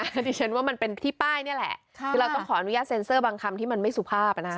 แล้วดิฉันว่ามันเป็นที่ป้ายนี่แหละคือเราต้องขออนุญาตเซ็นเซอร์บางคำที่มันไม่สุภาพ